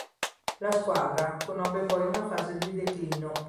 La squadra conobbe poi una fase di declino.